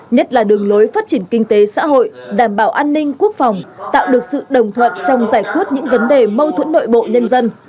nhất là đường lối phát triển kinh tế xã hội đảm bảo an ninh quốc phòng tạo được sự đồng thuận trong giải quyết những vấn đề mâu thuẫn nội bộ nhân dân